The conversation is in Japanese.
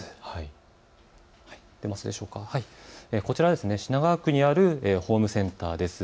こちら品川区にあるホームセンターです。